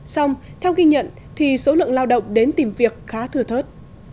xong theo ghi nhận thì số lượng lao động đến tìm việc khá thừa thớt